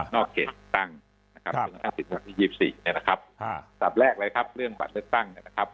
นอกเกณฑ์ตั้งนะครับสิบสี่นะครับดับแรกเลยครับเรื่องบัตรเลือกตั้งนะครับ